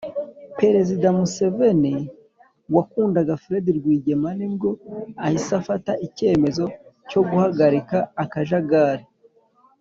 perezida museveni wakundaga fred rwigema nibwo ahise afata icyemezo cyo guhagarika akajagari